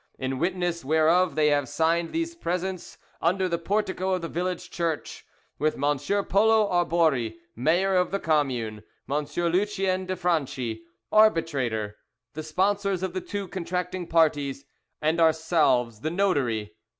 "In witness whereof they have signed these presents under the portico of the village church, with Monsieur Polo Arbori, mayor of the commune, Monsieur Lucien de Franchi, arbitrator, the sponsors of the two contracting parties, and ourselves the Notary.